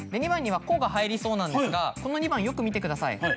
２番には「こ」が入りそうなんですがこの２番よく見てください。